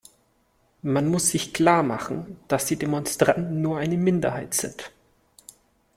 Man muss sich klarmachen, dass die Demonstranten nur eine Minderheit sind.